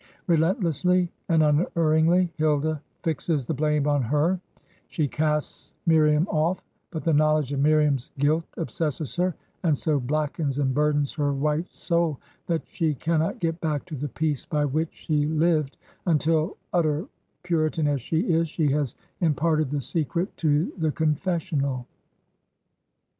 Re lentlessly and unerringly Hilda fixes the blame on her; she casts Miriam ofiF, but the knowledge of Miriam's guilt obsesses her, and so blackens and burdens her white soul that she cannot get back to the peace by which she Uved until, utter Puritan as she is, she has imparted the secret to the confessional.